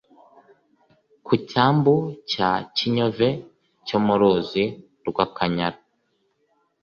Ku cyambu cya Kinyove cyo mu ruzi rw’Akanyaru